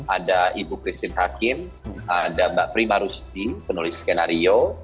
ada ibu christine hakim ada mbak prima rusti penulis skenario